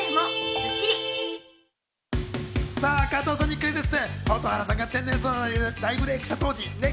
さあ、加藤さんにクイズッス。